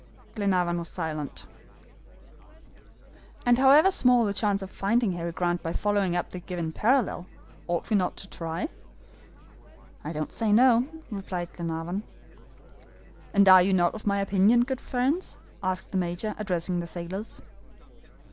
Glenarvan was silent. "And however small the chance of finding Harry Grant by following up the given parallel, ought we not to try?" "I don't say no," replied Glenarvan. "And are you not of my opinion, good friends," added the Major, addressing the sailors.